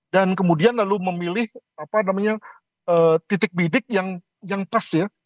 dan kemudian lalu memilih titik bidik yang pas